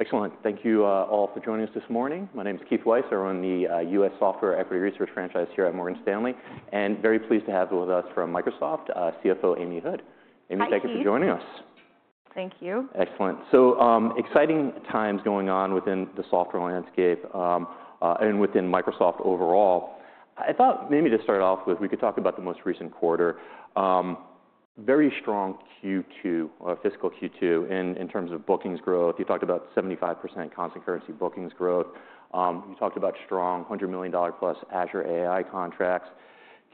Excellent. Thank you, all for joining us this morning. My name is Keith Weiss. I run the U.S. Software Equity Research franchise here at Morgan Stanley, and very pleased to have with us from Microsoft, CFO Amy Hood. Amy, thank you for joining us. Thank you. Excellent, so exciting times going on within the software landscape, and within Microsoft overall. I thought maybe to start off with, we could talk about the most recent quarter. Very strong Q2, fiscal Q2, in terms of bookings growth. You talked about 75% constant currency bookings growth. You talked about strong $100 million plus Azure AI contracts.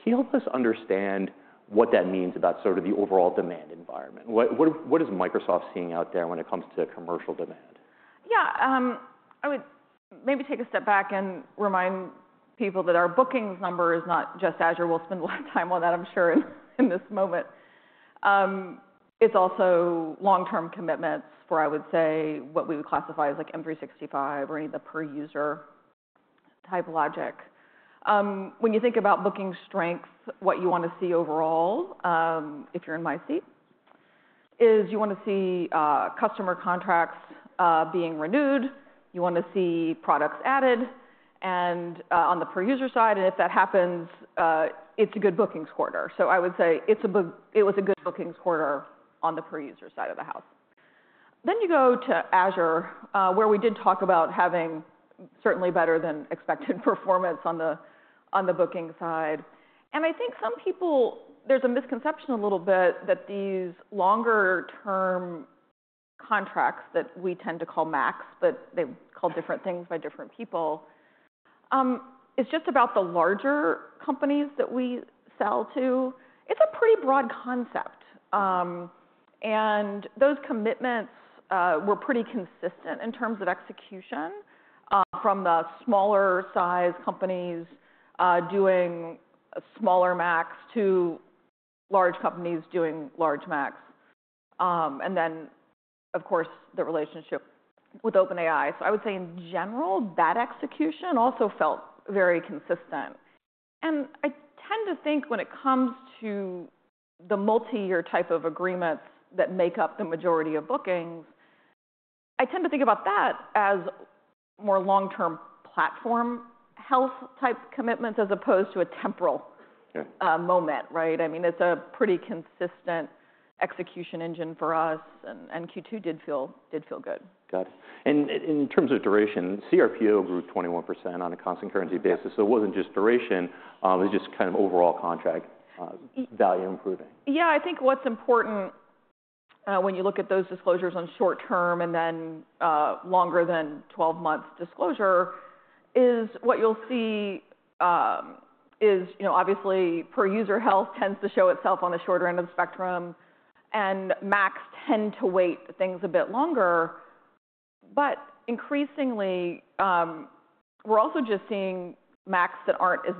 Can you help us understand what that means about sort of the overall demand environment? What is Microsoft seeing out there when it comes to commercial demand? Yeah. I would maybe take a step back and remind people that our bookings number is not just Azure. We'll spend a lot of time on that, I'm sure, in this moment. It's also long-term commitments for, I would say, what we would classify as like M365 or any of the per-user type logic. When you think about booking strength, what you wanna see overall, if you're in my seat, is you wanna see customer contracts being renewed. You wanna see products added. And on the per-user side, and if that happens, it's a good bookings quarter. So I would say it was a good bookings quarter on the per-user side of the house. Then you go to Azure, where we did talk about having certainly better than expected performance on the booking side. And I think some people, there's a misconception a little bit that these longer-term contracts that we tend to call MACCs, but they're called different things by different people, is just about the larger companies that we sell to. It's a pretty broad concept. And those commitments were pretty consistent in terms of execution, from the smaller-sized companies doing smaller MACCs to large companies doing large MACCs. And then, of course, the relationship with OpenAI. So I would say, in general, that execution also felt very consistent. And I tend to think when it comes to the multi-year type of agreements that make up the majority of bookings, I tend to think about that as more long-term platform health type commitments as opposed to a temporal moment, right? I mean, it's a pretty consistent execution engine for us, and Q2 did feel good. Got it. And in terms of duration, CRPO grew 21% on a constant currency basis. So it wasn't just duration, it was just kind of overall contract value improving. Yeah. I think what's important, when you look at those disclosures on short-term and then longer than 12-month disclosure, is what you'll see: is, you know, obviously, per-user health tends to show itself on the shorter end of the spectrum, and MACCs tend to wait things a bit longer. But increasingly, we're also just seeing MACCs that aren't as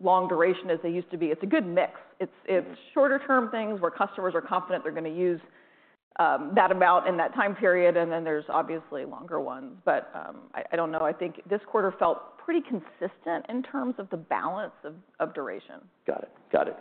long duration as they used to be. It's a good mix. It's, it's shorter-term things where customers are confident they're gonna use that amount in that time period, and then there's obviously longer ones. But, I, I don't know. I think this quarter felt pretty consistent in terms of the balance of, of duration. Got it. Got it.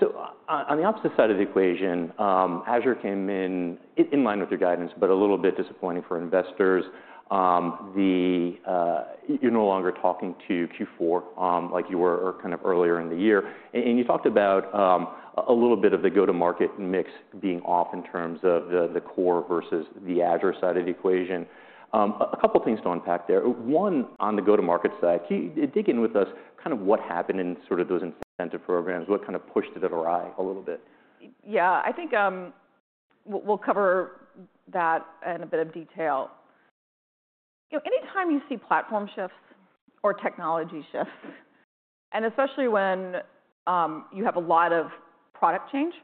So on the opposite side of the equation, Azure came in line with your guidance, but a little bit disappointing for investors. You're no longer talking to Q4, like you were or kind of earlier in the year. And you talked about a little bit of the go-to-market mix being off in terms of the core versus the Azure side of the equation. A couple things to unpack there. One, on the go-to-market side, can you dig in with us kind of what happened in sort of those incentive programs? What kind of pushed it to the right a little bit? Yeah. I think we'll cover that in a bit of detail. You know, anytime you see platform shifts or technology shifts, and especially when you have a lot of product change,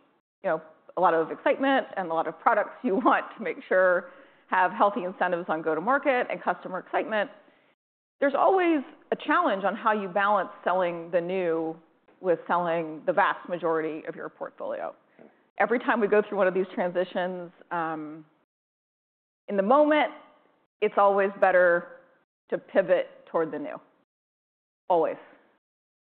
you know, a lot of excitement and a lot of products you want to make sure have healthy incentives on go-to-market and customer excitement, there's always a challenge on how you balance selling the new with selling the vast majority of your portfolio. Every time we go through one of these transitions, in the moment, it's always better to pivot toward the new. Always.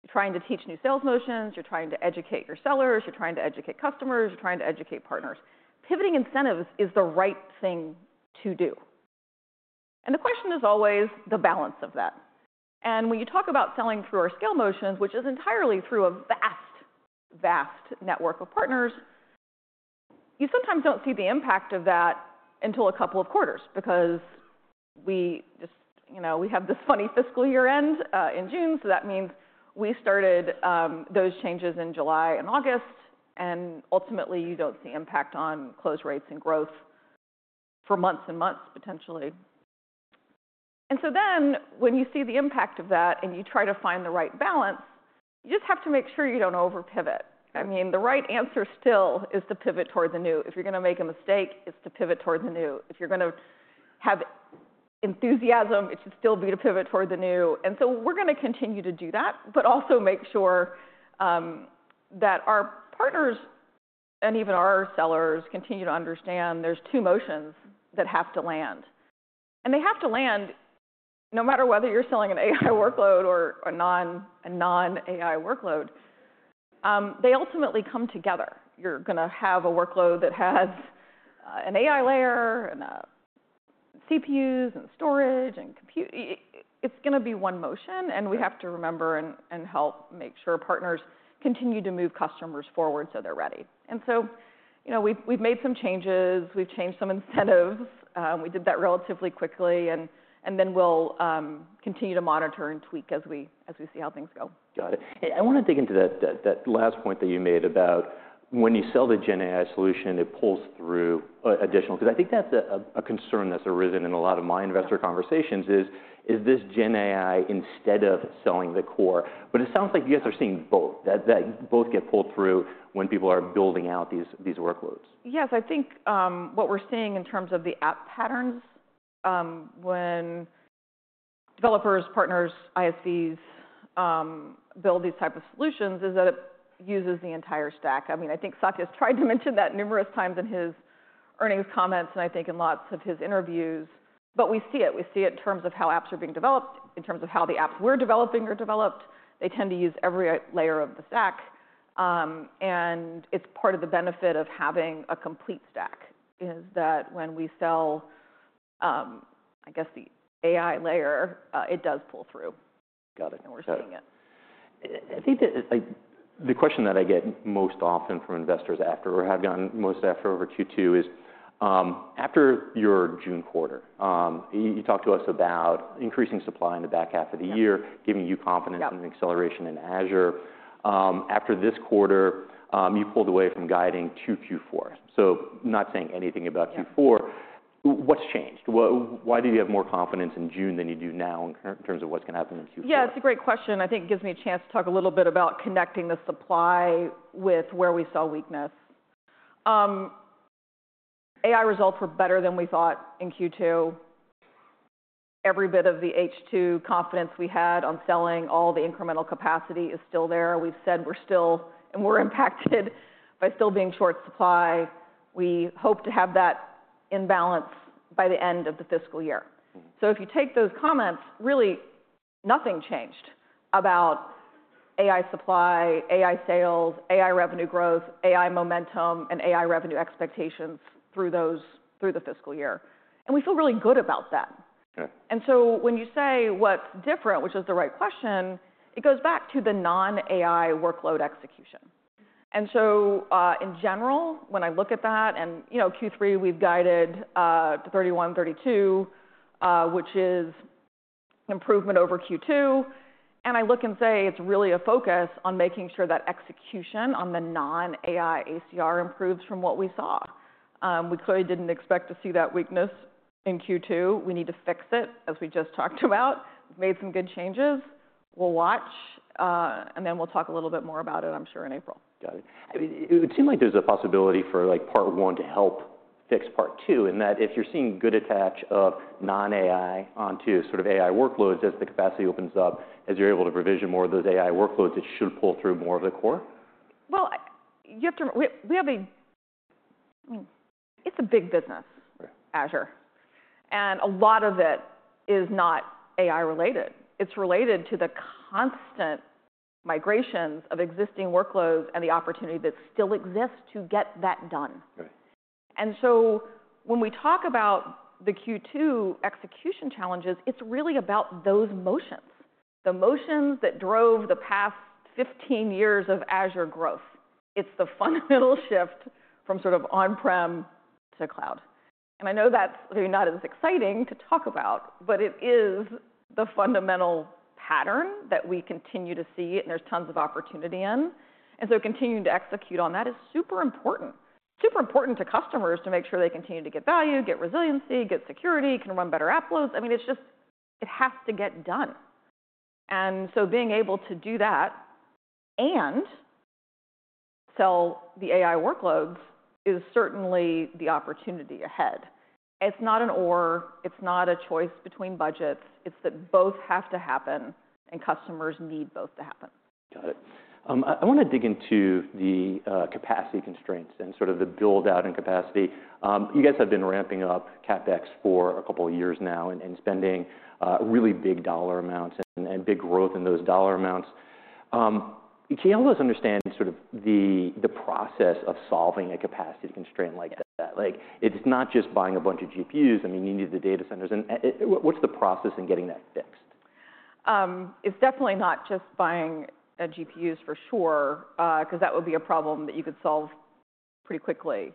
You're trying to teach new sales motions. You're trying to educate your sellers. You're trying to educate customers. You're trying to educate partners. Pivoting incentives is the right thing to do. And the question is always the balance of that. When you talk about selling through our scale motions, which is entirely through a vast, vast network of partners, you sometimes don't see the impact of that until a couple of quarters because we just, you know, we have this funny fiscal year end, in June. That means we started, those changes in July and August, and ultimately, you don't see impact on close rates and growth for months and months potentially. When you see the impact of that and you try to find the right balance, you just have to make sure you don't over-pivot. I mean, the right answer still is to pivot toward the new. If you're gonna make a mistake, it's to pivot toward the new. If you're gonna have enthusiasm, it should still be to pivot toward the new. And so we're gonna continue to do that, but also make sure that our partners and even our sellers continue to understand there's two motions that have to land. And they have to land no matter whether you're selling an AI workload or a non-AI workload. They ultimately come together. You're gonna have a workload that has an AI layer and CPUs and storage and compute. It's gonna be one motion, and we have to remember and help make sure partners continue to move customers forward so they're ready. And so, you know, we've made some changes. We've changed some incentives. We did that relatively quickly, and then we'll continue to monitor and tweak as we see how things go. Got it. Hey, I wanna dig into that last point that you made about when you sell the Gen AI solution, it pulls through additional 'cause I think that's a concern that's arisen in a lot of my investor conversations is this Gen AI instead of selling the core? But it sounds like you guys are seeing both, that both get pulled through when people are building out these workloads. Yes. I think what we're seeing in terms of the app patterns, when developers, partners, ISVs build these types of solutions, is that it uses the entire stack. I mean, I think Satya's tried to mention that numerous times in his earnings comments and I think in lots of his interviews. But we see it. We see it in terms of how apps are being developed, in terms of how the apps we're developing are developed. They tend to use every layer of the stack, and it's part of the benefit of having a complete stack is that when we sell, I guess the AI layer, it does pull through. Got it. We're seeing it. I think that, like, the question that I get most often from investors after, or have gotten most after, over Q2 is, after your June quarter, you talked to us about increasing supply in the back half of the year, giving you confidence. Yeah. An acceleration in Azure. After this quarter, you pulled away from guiding to Q4, so not saying anything about Q4. Yeah. What's changed? What, why do you have more confidence in June than you do now in terms of what's gonna happen in Q4? Yeah. It's a great question. I think it gives me a chance to talk a little bit about connecting the supply with where we saw weakness. AI results were better than we thought in Q2. Every bit of the H2 confidence we had on selling all the incremental capacity is still there. We've said we're still impacted by being short supply. We hope to have that in balance by the end of the fiscal year. Mm-hmm. If you take those comments, really nothing changed about AI supply, AI sales, AI revenue growth, AI momentum, and AI revenue expectations through those, through the fiscal year. We feel really good about that. Okay. And so when you say what's different, which is the right question, it goes back to the non-AI workload execution. And so, in general, when I look at that and, you know, Q3, we've guided to 31-32, which is an improvement over Q2. And I look and say it's really a focus on making sure that execution on the non-AI ACR improves from what we saw. We clearly didn't expect to see that weakness in Q2. We need to fix it as we just talked about. We've made some good changes. We'll watch, and then we'll talk a little bit more about it, I'm sure, in April. Got it. I mean, it would seem like there's a possibility for, like, part one to help fix part two in that if you're seeing good attach of non-AI onto sort of AI workloads as the capacity opens up, as you're able to provision more of those AI workloads, it should pull through more of the core? You have to remember. I mean, it's a big business, Azure. And a lot of it is not AI related. It's related to the constant migrations of existing workloads and the opportunity that still exists to get that done. Right. And so when we talk about the Q2 execution challenges, it's really about those motions, the motions that drove the past 15 years of Azure growth. It's the fundamental shift from sort of on-prem to cloud. And I know that's maybe not as exciting to talk about, but it is the fundamental pattern that we continue to see and there's tons of opportunity in. And so continuing to execute on that is super important, super important to customers to make sure they continue to get value, get resiliency, get security, can run better app loads. I mean, it's just, it has to get done. And so being able to do that and sell the AI workloads is certainly the opportunity ahead. It's not an or. It's not a choice between budgets. It's that both have to happen and customers need both to happen. Got it. I wanna dig into the capacity constraints and sort of the buildout and capacity. You guys have been ramping up CapEx for a couple of years now and spending really big dollar amounts and big growth in those dollar amounts. Can you help us understand sort of the process of solving a capacity constraint like that? Like, it's not just buying a bunch of GPUs. I mean, you need the data centers. And, what's the process in getting that fixed? It's definitely not just buying GPUs for sure, 'cause that would be a problem that you could solve pretty quickly.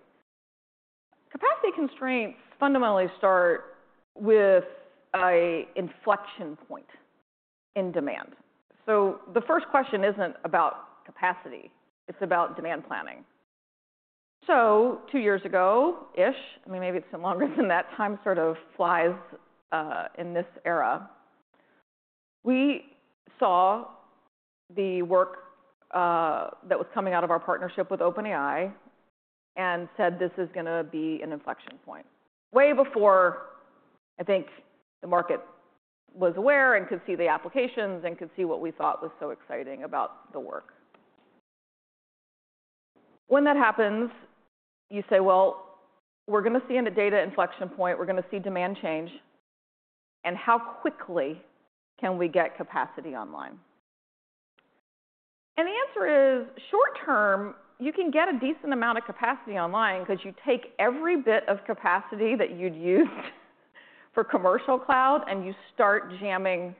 Capacity constraints fundamentally start with an inflection point in demand. So the first question isn't about capacity. It's about demand planning. So two years ago-ish, I mean, maybe it's been longer than that. Time sort of flies, in this era. We saw the work, that was coming out of our partnership with OpenAI and said this is gonna be an inflection point way before I think the market was aware and could see the applications and could see what we thought was so exciting about the work. When that happens, you say, "Well, we're gonna see a data inflection point. We're gonna see demand change. And how quickly can we get capacity online?" The answer is short-term, you can get a decent amount of capacity online 'cause you take every bit of capacity that you'd used for Commercial Cloud and you start jamming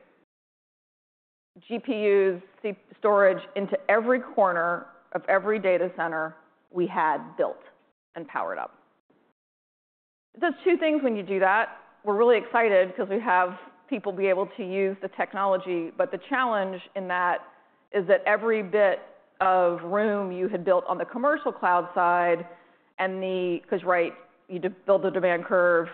GPUs, CPUs, storage into every corner of every data center we had built and powered up. It does two things when you do that. We're really excited 'cause we have people be able to use the technology. The challenge in that is that every bit of room you had built on the Commercial Cloud side and the 'cause right, you build a demand curve,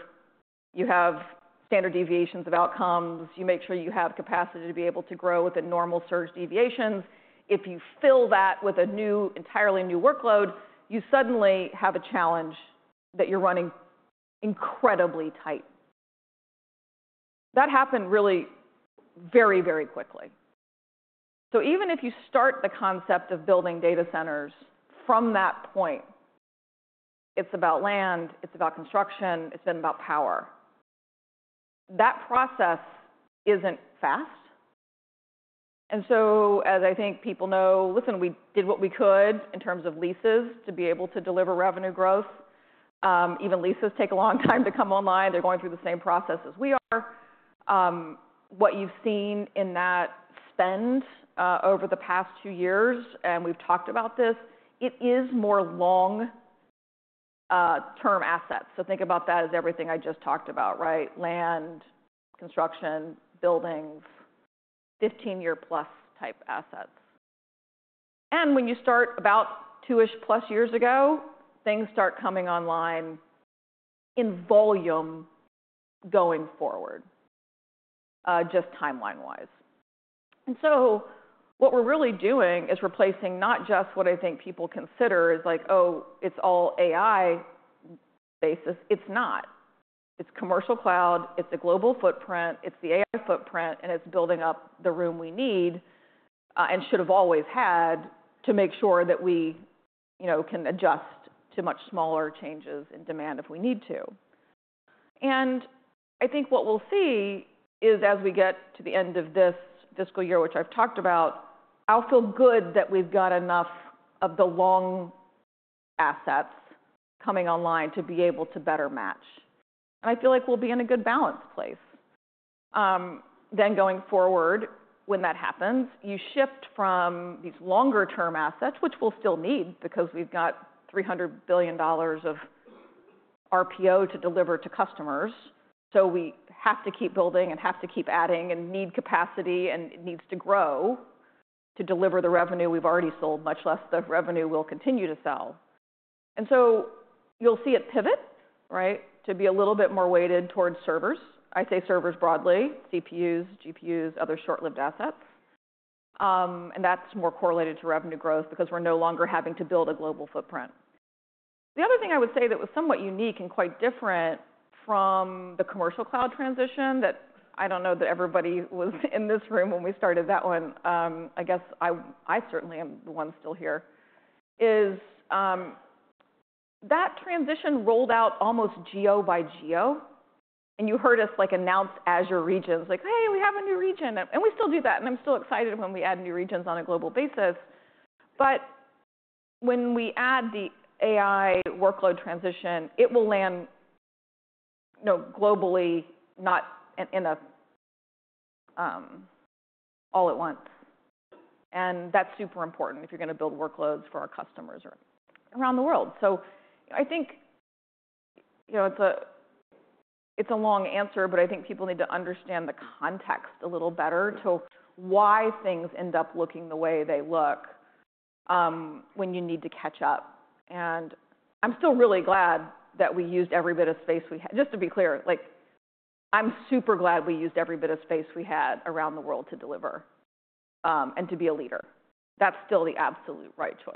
you have standard deviations of outcomes, you make sure you have capacity to be able to grow within normal surge deviations. If you fill that with a new, entirely new workload, you suddenly have a challenge that you're running incredibly tight. That happened really very, very quickly. So even if you start the concept of building data centers from that point, it's about land. It's about construction. It's been about power. That process isn't fast. And so as I think people know, listen, we did what we could in terms of leases to be able to deliver revenue growth. Even leases take a long time to come online. They're going through the same process as we are. What you've seen in that spend, over the past two years, and we've talked about this, it is more long-term assets. So think about that as everything I just talked about, right? Land, construction, buildings, 15-year plus type assets. And when you start about two-ish plus years ago, things start coming online in volume going forward, just timeline-wise. And so what we're really doing is replacing not just what I think people consider is like, "Oh, it's all AI basis." It's not. It's Commercial Cloud. It's a global footprint. It's the AI footprint. And it's building up the room we need, and should have always had to make sure that we, you know, can adjust to much smaller changes in demand if we need to. And I think what we'll see is as we get to the end of this fiscal year, which I've talked about, I'll feel good that we've got enough of the long assets coming online to be able to better match. And I feel like we'll be in a good balance place. Then going forward, when that happens, you shift from these longer-term assets, which we'll still need because we've got $300 billion of RPO to deliver to customers. So we have to keep building and have to keep adding and need capacity and it needs to grow to deliver the revenue we've already sold, much less the revenue we'll continue to sell. And so you'll see it pivot, right, to be a little bit more weighted towards servers. I say servers broadly, CPUs, GPUs, other short-lived assets. And that's more correlated to revenue growth because we're no longer having to build a global footprint. The other thing I would say that was somewhat unique and quite different from the Commercial Cloud transition that I don't know that everybody was in this room when we started that one. I guess I certainly am the one still here is, that transition rolled out almost geo-by-geo. And you heard us, like, announce Azure regions, like, "Hey, we have a new region." And we still do that. I'm still excited when we add new regions on a global basis. When we add the AI workload transition, it will land, you know, globally, not in a all at once. That's super important if you're gonna build workloads for our customers around the world. I think, you know, it's a long answer, but I think people need to understand the context a little better to why things end up looking the way they look, when you need to catch up. I'm still really glad that we used every bit of space we had. Just to be clear, like, I'm super glad we used every bit of space we had around the world to deliver, and to be a leader. That's still the absolute right choice.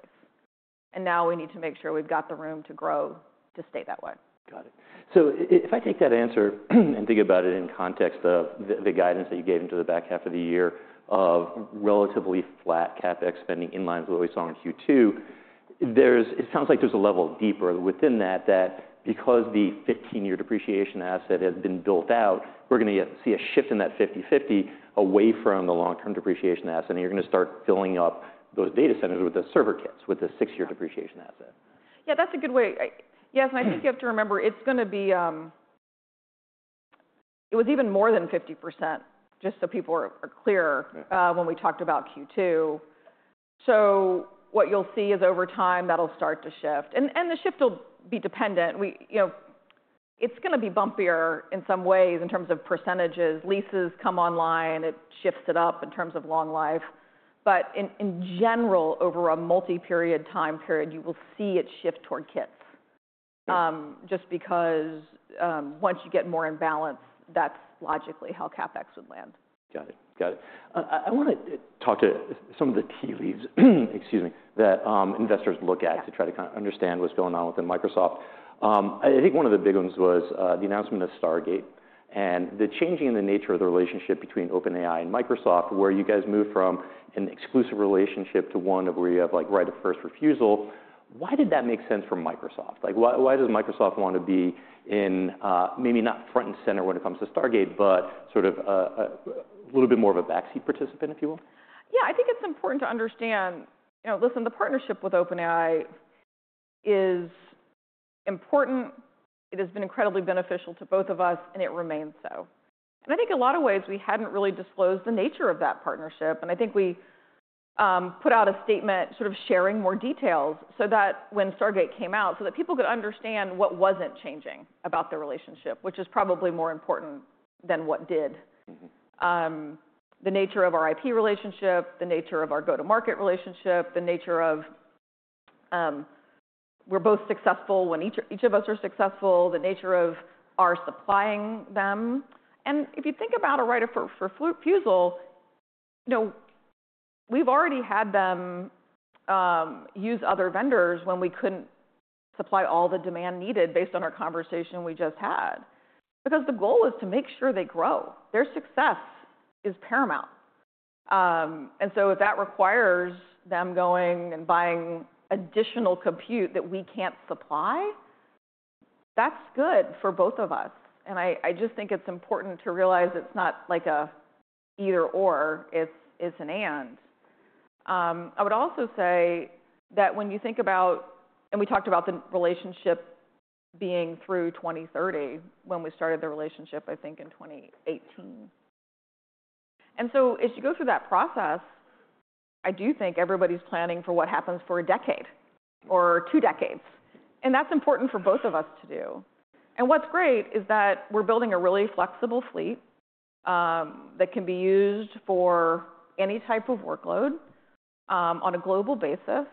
And now we need to make sure we've got the room to grow to stay that way. Got it. So if I take that answer and think about it in context of the guidance that you gave into the back half of the year of relatively flat CapEx spending in line with what we saw in Q2, there's it sounds like there's a level deeper within that, that because the 15-year depreciation asset has been built out, we're gonna see a shift in that 50/50 away from the long-term depreciation asset. And you're gonna start filling up those data centers with the server kits, with the six-year depreciation asset. Yeah. That's a good way. Yes. And I think you have to remember it's gonna be, it was even more than 50%, just so people are clearer, when we talked about Q2. So what you'll see is over time that'll start to shift. And, and the shift will be dependent. We, you know, it's gonna be bumpier in some ways in terms of percentages. Leases come online. It shifts it up in terms of long life. But in, in general, over a multi-period time period, you will see it shift toward kits, just because, once you get more in balance, that's logically how CapEx would land. Got it. I wanna talk to some of the tea leaves, excuse me, that investors look at to try to kinda understand what's going on within Microsoft. I think one of the big ones was the announcement of Stargate and the changing in the nature of the relationship between OpenAI and Microsoft, where you guys moved from an exclusive relationship to one of where you have, like, right of first refusal. Why did that make sense for Microsoft? Like, why does Microsoft wanna be in maybe not front and center when it comes to Stargate, but sort of a little bit more of a backseat participant, if you will? Yeah. I think it's important to understand, you know, listen, the partnership with OpenAI is important. It has been incredibly beneficial to both of us, and it remains so. And I think a lot of ways we hadn't really disclosed the nature of that partnership. And I think we put out a statement sort of sharing more details so that when Stargate came out, so that people could understand what wasn't changing about the relationship, which is probably more important than what did. Mm-hmm. The nature of our IP relationship, the nature of our go-to-market relationship, the nature of, we're both successful when each, each of us are successful, the nature of our supplying them. And if you think about a right of first refusal, you know, we've already had them use other vendors when we couldn't supply all the demand needed based on our conversation we just had because the goal is to make sure they grow. Their success is paramount. And so if that requires them going and buying additional compute that we can't supply, that's good for both of us. And I, I just think it's important to realize it's not like a either/or. It's, it's an and. I would also say that when you think about, and we talked about the relationship being through 2030 when we started the relationship, I think in 2018. And so as you go through that process, I do think everybody's planning for what happens for a decade or two decades. And that's important for both of us to do. And what's great is that we're building a really flexible fleet, that can be used for any type of workload, on a global basis.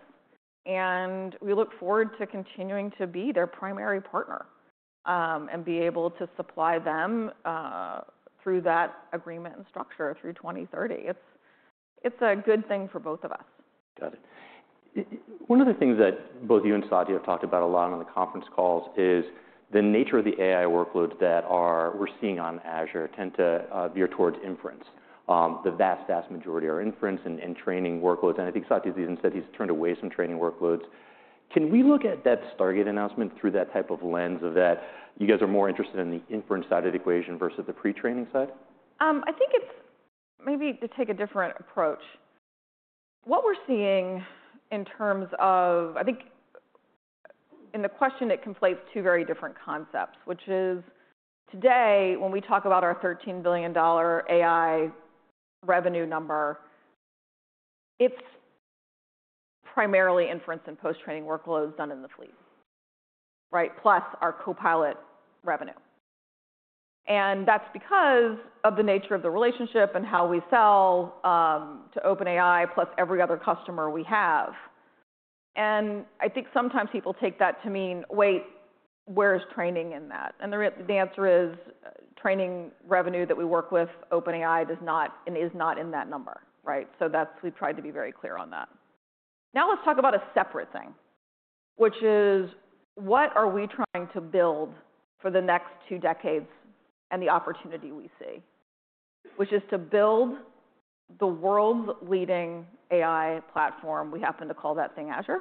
And we look forward to continuing to be their primary partner, and be able to supply them, through that agreement and structure through 2030. It's a good thing for both of us. Got it. One of the things that both you and Satya have talked about a lot on the conference calls is the nature of the AI workloads that we're seeing on Azure tend to veer towards inference. The vast majority are inference and training workloads, and I think Satya's even said he's turned away some training workloads. Can we look at that Stargate announcement through that type of lens, that you guys are more interested in the inference side of the equation versus the pre-training side? I think it's maybe to take a different approach. What we're seeing in terms of, I think in the question, it conflates two very different concepts, which is today when we talk about our $13 billion AI revenue number, it's primarily inference and post-training workloads done in the fleet, right? Plus our Copilot revenue. And that's because of the nature of the relationship and how we sell to OpenAI plus every other customer we have. And I think sometimes people take that to mean, wait, where's training in that? And the answer is training revenue that we work with OpenAI does not and is not in that number, right? So that's. We've tried to be very clear on that. Now let's talk about a separate thing, which is what are we trying to build for the next two decades and the opportunity we see, which is to build the world's leading AI platform. We happen to call that thing Azure.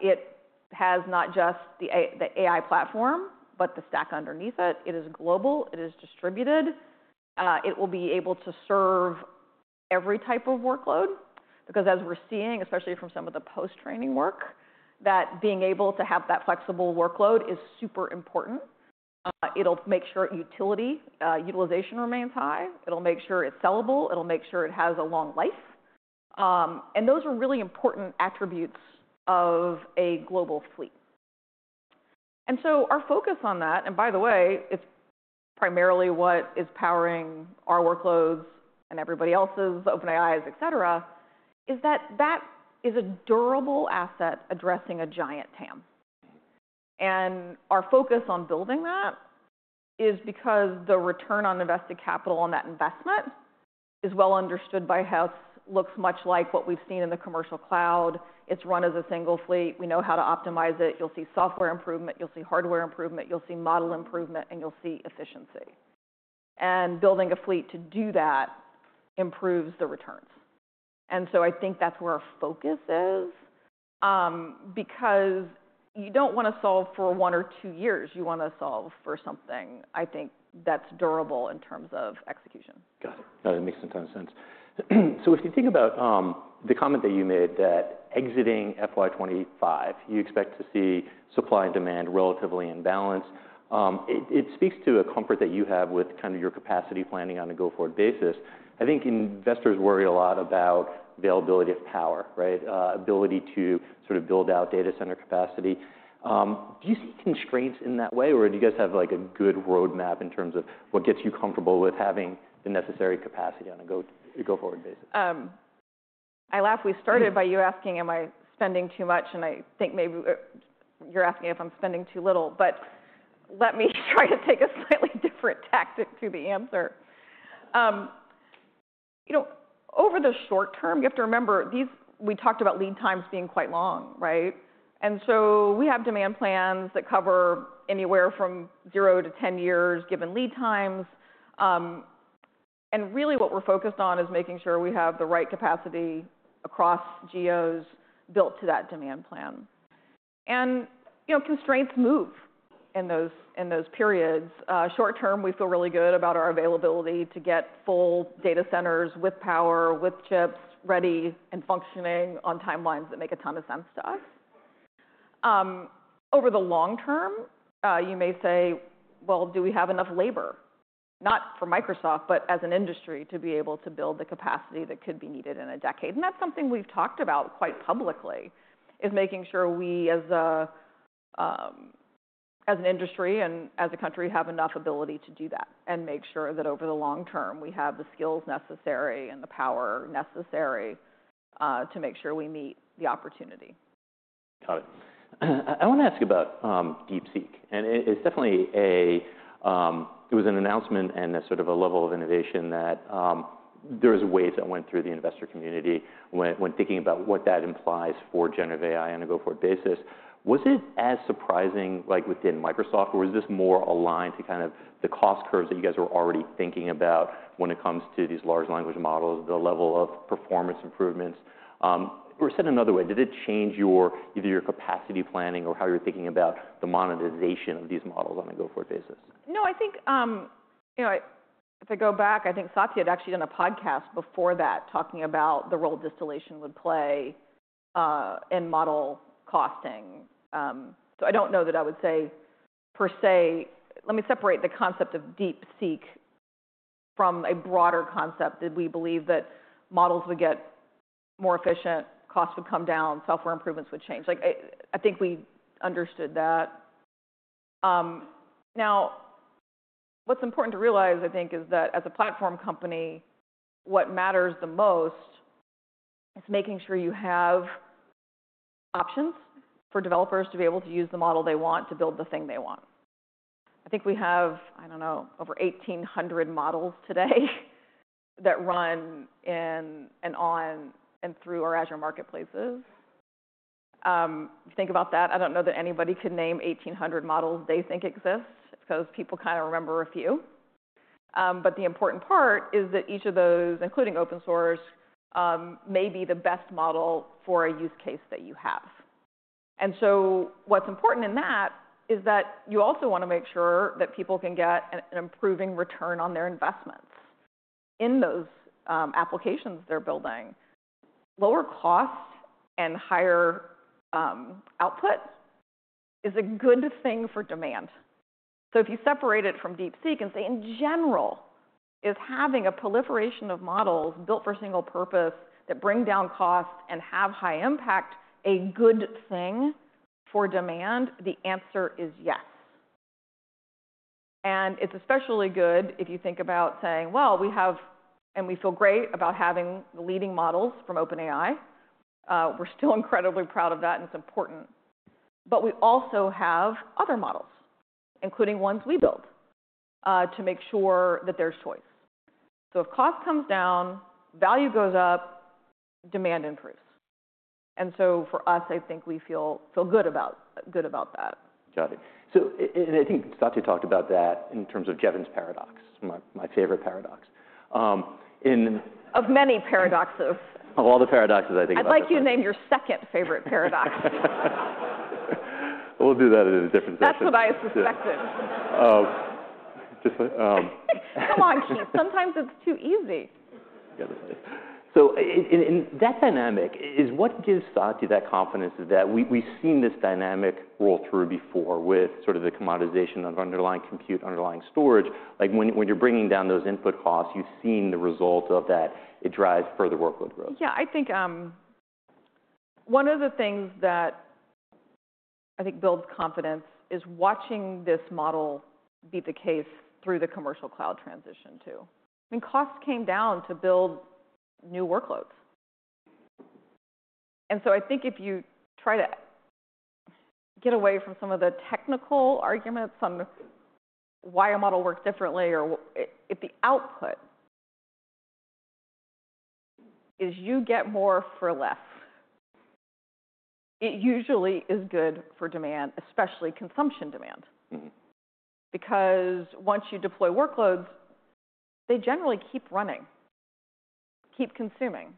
It has not just the A, the AI platform, but the stack underneath it. It is global. It is distributed. It will be able to serve every type of workload because as we're seeing, especially from some of the post-training work, that being able to have that flexible workload is super important. It'll make sure utility, utilization remains high. It'll make sure it's sellable. It'll make sure it has a long life. And those are really important attributes of a global fleet. And so, our focus on that, and by the way, it's primarily what is powering our workloads and everybody else's OpenAI's, et cetera, et cetera, is that that is a durable asset addressing a giant TAM. And our focus on building that is because the return on invested capital on that investment is well understood by us. Looks much like what we've seen in the Commercial Cloud. It's run as a single fleet. We know how to optimize it. You'll see software improvement. You'll see hardware improvement. You'll see model improvement, and you'll see efficiency. And building a fleet to do that improves the returns. And so I think that's where our focus is, because you don't wanna solve for one or two years. You wanna solve for something, I think, that's durable in terms of execution. Got it. Got it. Makes a ton of sense. So if you think about the comment that you made that exiting FY25, you expect to see supply and demand relatively in balance. It speaks to a comfort that you have with kind of your capacity planning on a go-forward basis. I think investors worry a lot about availability of power, right? Ability to sort of build out data center capacity. Do you see constraints in that way, or do you guys have, like, a good roadmap in terms of what gets you comfortable with having the necessary capacity on a go-forward basis? I laugh. We started by you asking, am I spending too much? And I think maybe you're asking if I'm spending too little. But let me try to take a slightly different tactic to the answer. You know, over the short term, you have to remember these, we talked about lead times being quite long, right? And so we have demand plans that cover anywhere from zero to 10 years given lead times. And really what we're focused on is making sure we have the right capacity across geos built to that demand plan. And, you know, constraints move in those, in those periods. Short term, we feel really good about our availability to get full data centers with power, with chips ready and functioning on timelines that make a ton of sense to us. Over the long term, you may say, well, do we have enough labor, not for Microsoft, but as an industry to be able to build the capacity that could be needed in a decade? And that's something we've talked about quite publicly is making sure we as a, as an industry and as a country have enough ability to do that and make sure that over the long term we have the skills necessary and the power necessary, to make sure we meet the opportunity. Got it. I wanna ask about DeepSeek. And it is definitely a it was an announcement and a sort of a level of innovation that there was a wave that went through the investor community when when thinking about what that implies for generative AI on a go-forward basis. Was it as surprising like within Microsoft or was this more aligned to kind of the cost curves that you guys were already thinking about when it comes to these large language models the level of performance improvements? Or said another way did it change your either your capacity planning or how you're thinking about the monetization of these models on a go-forward basis? No, I think, you know, if I go back, I think Satya had actually done a podcast before that talking about the role distillation would play in model costing. So I don't know that I would say per se, let me separate the concept of DeepSeek from a broader concept that we believe that models would get more efficient, costs would come down, software improvements would change. Like, I think we understood that. Now what's important to realize, I think, is that as a platform company, what matters the most is making sure you have options for developers to be able to use the model they want to build the thing they want. I think we have, I don't know, over 1,800 models today that run in and on and through our Azure marketplaces. If you think about that, I don't know that anybody could name 1,800 models they think exist because people kinda remember a few. But the important part is that each of those, including open source, may be the best model for a use case that you have. And so what's important in that is that you also wanna make sure that people can get an improving return on their investments in those, applications they're building. Lower cost and higher output is a good thing for demand. So if you separate it from DeepSeek and say, in general, is having a proliferation of models built for single purpose that bring down costs and have high impact a good thing for demand, the answer is yes. And it's especially good if you think about saying, well, we have and we feel great about having the leading models from OpenAI. We're still incredibly proud of that, and it's important. But we also have other models, including ones we build, to make sure that there's choice. So if cost comes down, value goes up, demand improves. And so for us, I think we feel good about that. Got it. So I think Satya talked about that in terms of Jevons Paradox, my favorite paradox. Of many paradoxes. Of all the paradoxes, I think. I'd like you to name your second favorite paradox. We'll do that at a different session. That's what I suspected. just, Come on, Keith. Sometimes it's too easy. Yeah. So in that dynamic is what gives Satya that confidence is that we've seen this dynamic roll through before with sort of the commoditization of underlying compute, underlying storage. Like when you're bringing down those input costs, you've seen the result of that. It drives further workload growth. Yeah. I think, one of the things that I think builds confidence is watching this model be the case through the Commercial Cloud transition too. I mean, costs came down to build new workloads. And so I think if you try to get away from some of the technical arguments on why a model works differently or if the output is you get more for less, it usually is good for demand, especially consumption demand. Mm-hmm. Because once you deploy workloads, they generally keep running, keep consuming.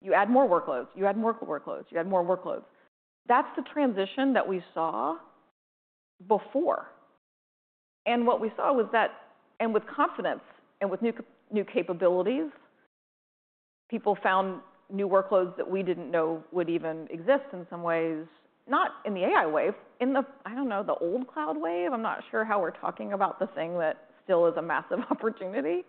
You add more workloads. You add more workloads. You add more workloads. That's the transition that we saw before, and what we saw was that, and with confidence and with new, new capabilities, people found new workloads that we didn't know would even exist in some ways, not in the AI wave, in the, I don't know, the old cloud wave. I'm not sure how we're talking about the thing that still is a massive opportunity.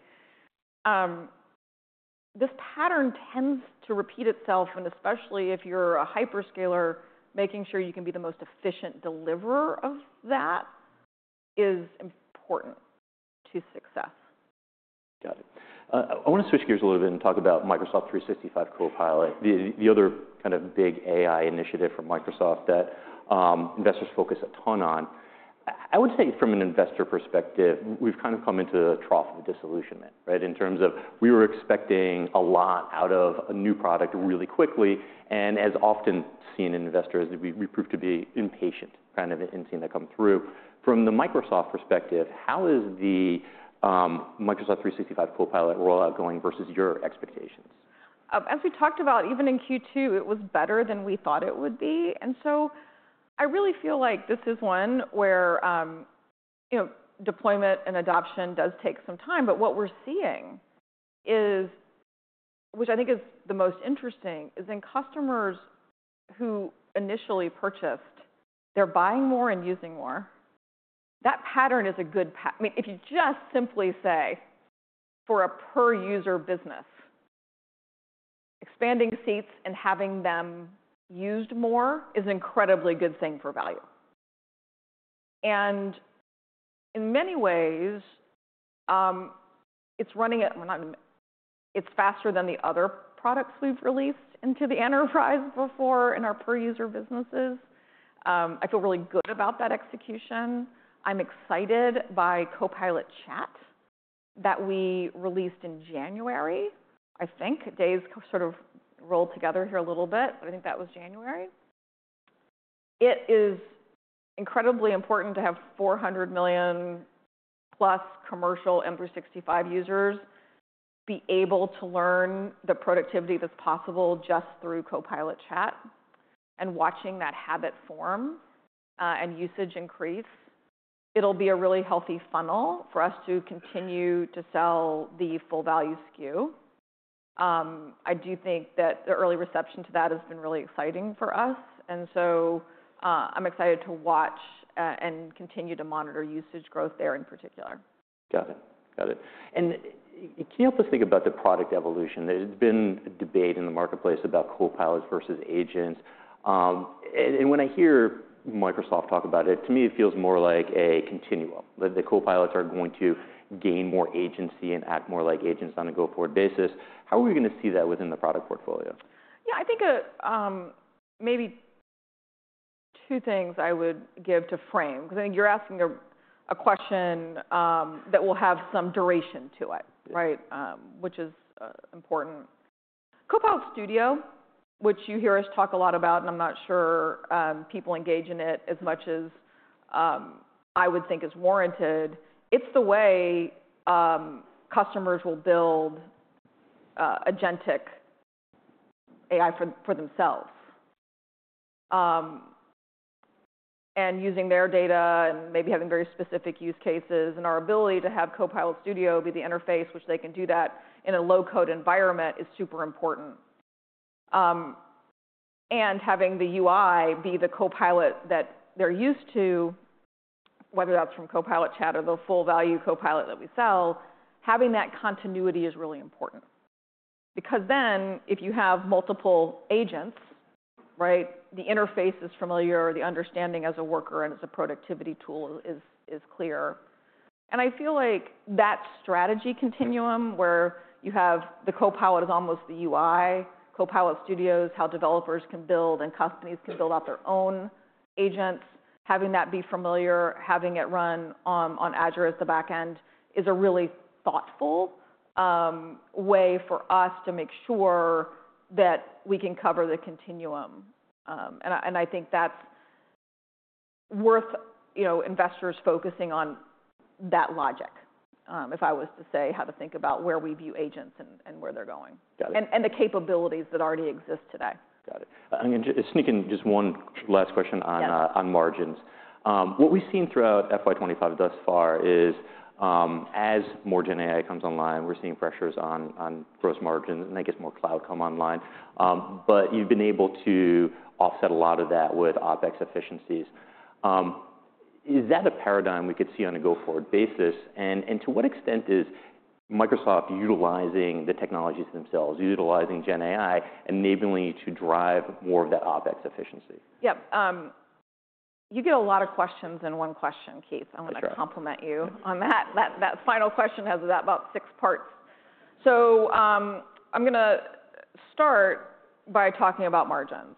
This pattern tends to repeat itself, and especially if you're a hyperscaler, making sure you can be the most efficient deliverer of that is important to success. Got it. I wanna switch gears a little bit and talk about Microsoft 365 Copilot, the other kind of big AI initiative from Microsoft that investors focus a ton on. I would say from an investor perspective, we've kind of come into the trough of a disillusionment, right? In terms of we were expecting a lot out of a new product really quickly. And as often seen in investors, we proved to be impatient, kind of in seeing that come through. From the Microsoft perspective, how is the Microsoft 365 Copilot rollout going versus your expectations? As we talked about, even in Q2, it was better than we thought it would be. And so I really feel like this is one where, you know, deployment and adoption does take some time. But what we're seeing is, which I think is the most interesting, is in customers who initially purchased, they're buying more and using more. That pattern is a good pat. I mean, if you just simply say for a per user business, expanding seats and having them used more is an incredibly good thing for value. And in many ways, it's running it, it's faster than the other products we've released into the enterprise before in our per user businesses. I feel really good about that execution. I'm excited by Copilot Chat that we released in January. I think days sort of rolled together here a little bit, but I think that was January. It is incredibly important to have 400 million plus commercial M365 users be able to learn the productivity that's possible just through Copilot Chat and watching that habit form, and usage increase. It'll be a really healthy funnel for us to continue to sell the full value SKU. I do think that the early reception to that has been really exciting for us, and so, I'm excited to watch, and continue to monitor usage growth there in particular. Got it. Got it. And can you help us think about the product evolution? There's been a debate in the marketplace about Copilot versus agents. And when I hear Microsoft talk about it, to me, it feels more like a continuum that the Copilots are going to gain more agency and act more like agents on a go-forward basis. How are we gonna see that within the product portfolio? Yeah. I think, maybe two things I would give to frame 'cause I think you're asking a question that will have some duration to it, right? Which is important. Copilot Studio, which you hear us talk a lot about, and I'm not sure people engage in it as much as I would think is warranted. It's the way customers will build agentic AI for themselves and using their data and maybe having very specific use cases and our ability to have Copilot Studio be the interface which they can do that in a low code environment is super important. and having the UI be the Copilot that they're used to, whether that's from Copilot Chat or the full value Copilot that we sell, having that continuity is really important because then if you have multiple agents, right, the interface is familiar, the understanding as a worker and as a productivity tool is, is clear. And I feel like that strategy continuum where you have the Copilot is almost the UI, Copilot Studios, how developers can build and companies can build out their own agents, having that be familiar, having it run, on Azure as the backend is a really thoughtful, way for us to make sure that we can cover the continuum. and I, and I think that's worth, you know, investors focusing on that logic, if I was to say how to think about where we view agents and, and where they're going. Got it. The capabilities that already exist today. Got it. I'm gonna just sneak in just one last question on, on margins. What we've seen throughout FY25 thus far is, as more Gen AI comes online, we're seeing pressures on, on gross margins and I guess more cloud come online. But you've been able to offset a lot of that with OpEx efficiencies. Is that a paradigm we could see on a go-forward basis? And, and to what extent is Microsoft utilizing the technologies themselves, utilizing Gen AI, enabling you to drive more of that OpEx efficiency? Yep. You get a lot of questions in one question, Keith. Sure. I wanna compliment you on that. That, that final question has about six parts. So, I'm gonna start by talking about margins.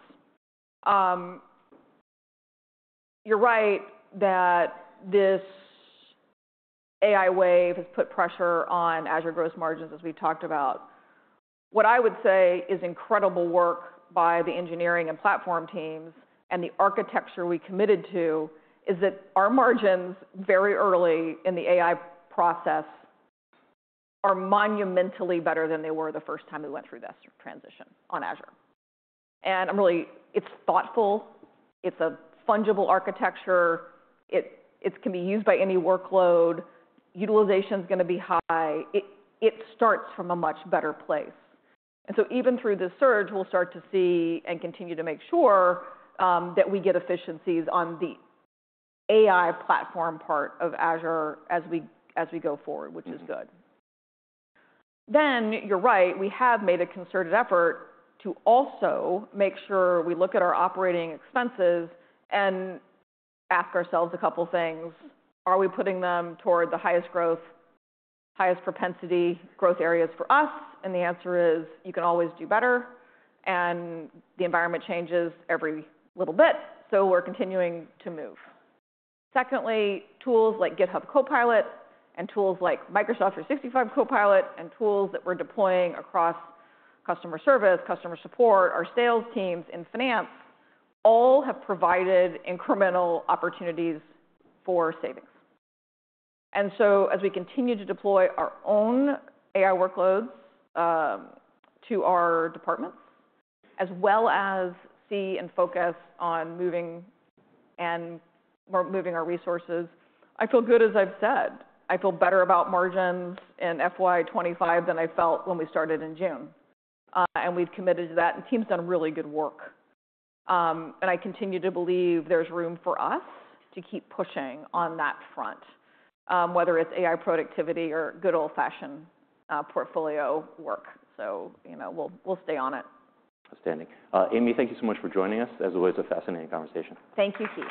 You're right that this AI wave has put pressure on Azure gross margins as we've talked about. What I would say is incredible work by the engineering and platform teams and the architecture we committed to is that our margins very early in the AI process are monumentally better than they were the first time we went through this transition on Azure. And I'm really, it's thoughtful, it's a fungible architecture, it, it can be used by any workload, utilization's gonna be high. It, it starts from a much better place. And so even through this surge, we'll start to see and continue to make sure that we get efficiencies on the AI platform part of Azure as we, as we go forward, which is good. Mm-hmm. Then you're right. We have made a concerted effort to also make sure we look at our operating expenses and ask ourselves a couple things. Are we putting them toward the highest growth, highest propensity growth areas for us? And the answer is you can always do better. And the environment changes every little bit. So we're continuing to move. Secondly, tools like GitHub Copilot and tools like Microsoft 365 Copilot and tools that we're deploying across customer service, customer support, our sales teams in finance all have provided incremental opportunities for savings. And so as we continue to deploy our own AI workloads, to our departments as well as see and focus on moving and more moving our resources, I feel good as I've said. I feel better about margins in FY25 than I felt when we started in June. And we've committed to that and team's done really good work. And I continue to believe there's room for us to keep pushing on that front, whether it's AI productivity or good old-fashioned portfolio work. So, you know, we'll stay on it. Outstanding. Amy, thank you so much for joining us. As always, a fascinating conversation. Thank you, Keith.